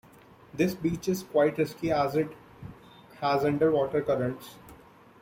This beach is quite risky as it has underwater currents.